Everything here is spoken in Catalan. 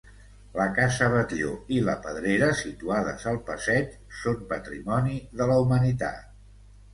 La Casa Batlló i la Pedrera, situades al passeig, són Patrimoni de la Humanitat.